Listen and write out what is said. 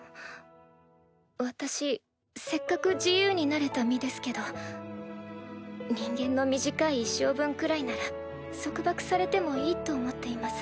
私せっかく自由になれた身ですけど人間の短い一生分くらいなら束縛されてもいいと思っています。